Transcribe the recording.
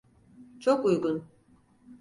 Çok uygun.